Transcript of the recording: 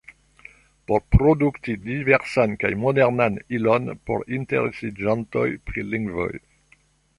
Por produkti diversan kaj modernan ilon por interesiĝantoj pri lingvoj.